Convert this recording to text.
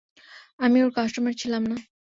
আমি ওর কাস্টোমার ছিলাম না।